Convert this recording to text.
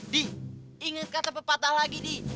di inget kata pepatah lagi di